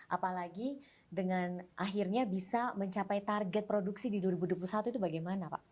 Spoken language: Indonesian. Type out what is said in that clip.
apalagi dengan akhirnya bisa mencapai target produksi di dua ribu dua puluh satu itu bagaimana pak